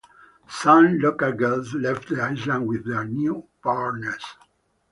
Some local girls left the island with their new partners.